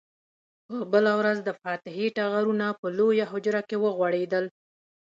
په بله ورځ د فاتحې ټغرونه په لویه حجره کې وغوړېدل.